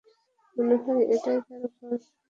মনে হয় এটাই তার ঘর।